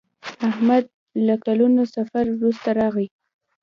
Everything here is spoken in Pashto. احمد له کلونو سفر وروسته راغی.